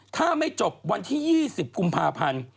ถ้าไม่จบวันที่๒๐กุมภาพันธ์